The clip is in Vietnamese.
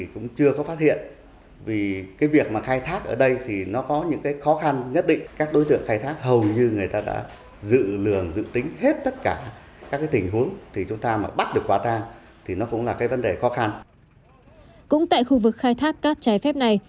cũng tại khu vực khai thác cát trái phép này